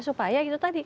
supaya itu tadi